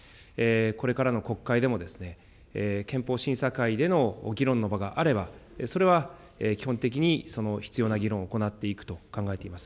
これからの国会でも、憲法審査会での議論の場があれば、それは基本的に、その必要な議論を行っていくと考えています。